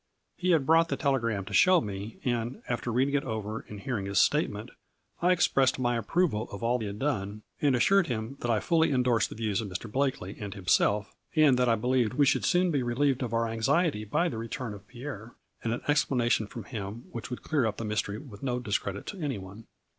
He had brought the telegram to show me, and, after reading it over and hear ing his statement, I expressed my approval of all he had done, and assured him that I fully indorsed the views of Mr. Blakely and himself, and that I believed we should soon be relieved of our anxiety by the return of Pierre, and an explanation from him which would clear up the mystery with no discredit to any one.